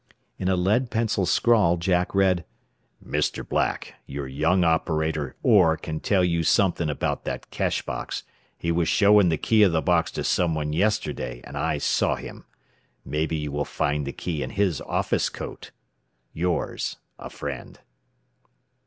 In a lead pencil scrawl Jack read: "Mr. Black: Your yung operatur Orr can tell you sumthin about thet cash box, he was showin the key of the box to sumone yesteday and i saw him. Mebee you will finde the key in his offis cote. "Yours, a frend."